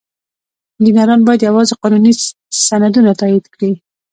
انجینران باید یوازې قانوني سندونه تایید کړي.